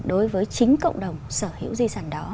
đối với chính cộng đồng sở hữu di sản đó